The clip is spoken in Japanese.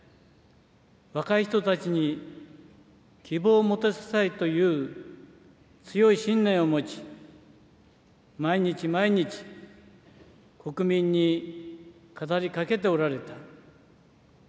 若い人たちに希望を持たせたいという強い信念を持ち、毎日毎日、国民に語りかけておられた。